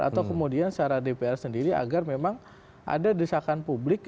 atau kemudian secara dpr sendiri agar memang ada desakan publik